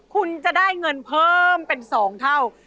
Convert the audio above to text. คุณจะได้เงินเพิ่มเป็น๒เท่า